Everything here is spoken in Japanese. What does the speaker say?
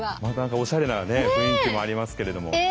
また何かおしゃれなね雰囲気もありますけれども。